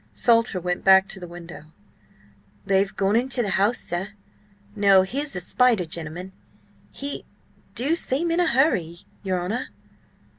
Salter went back to the window "They've gone into the house, sir. No, here's the spider gentleman! He do seem in a hurry, your honour!"